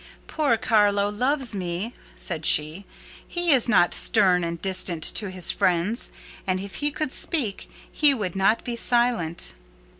"Poor Carlo loves me," said she. "He is not stern and distant to his friends; and if he could speak, he would not be silent."